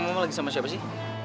ngomong lagi sama siapa sih